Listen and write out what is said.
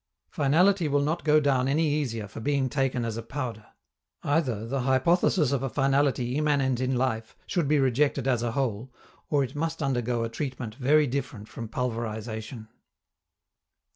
Finality will not go down any easier for being taken as a powder. Either the hypothesis of a finality immanent in life should be rejected as a whole, or it must undergo a treatment very different from pulverization.